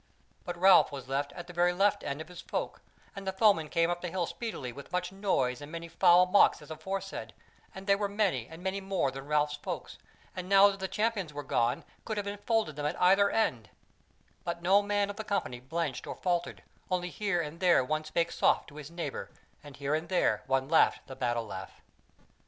But Ralph was left at the very left end of his folk, and the foemen came up the hill speedily with much noise and many foul mocks as aforesaid, and they were many and many more than Ralph's folk, and now that the Champions were gone, could have enfolded them at either end; but no man of the company blenched or faltered, only here and there one spake soft to his neighbour, and here and there one laughed the battle laugh.